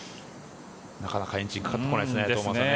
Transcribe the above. なかなかエンジンかかってこないですね。